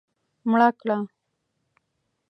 مړه کړه